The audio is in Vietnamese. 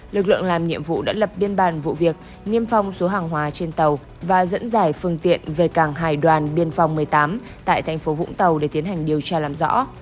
lực lượng làm nhiệm vụ đã lập biên bản vụ việc niêm phong số hàng hóa trên tàu và dẫn dải phương tiện về cảng hải đoàn biên phòng một mươi tám tại thành phố vũng tàu để tiến hành điều tra làm rõ